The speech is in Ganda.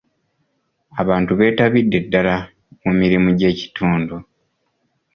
Abantu betabidde ddala mu mirimu gy'ekitundu.